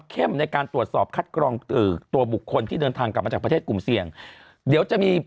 ในการตรวจสอบคัดกรองตัวบุคคลที่เดินทางกลับมาจากประเทศกลุ่มเสี่ยงเดี๋ยวจะมี